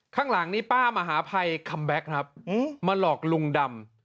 ข้างหลังนี้ป้ามหาภัยคัมแบ็คครับมาหลอกลุงดำ